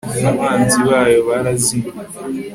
abanzi bayo barazimye